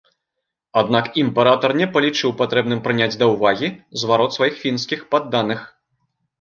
Аднак імператар не палічыў патрэбным прыняць да ўвагі зварот сваіх фінскіх падданых.